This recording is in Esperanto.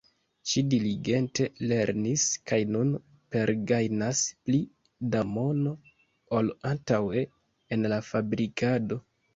Ŝi diligente lernis kaj nun pergajnas pli da mono ol antaŭe en la fabriko.